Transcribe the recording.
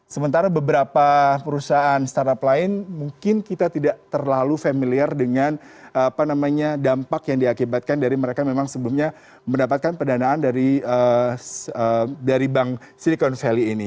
sementara beberapa perusahaan startup lain mungkin kita tidak terlalu familiar dengan dampak yang diakibatkan dari mereka memang sebelumnya mendapatkan pendanaan dari bank silicon valley ini